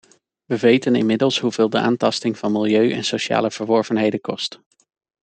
We weten inmiddels hoeveel de aantasting van milieu en sociale verworvenheden kost.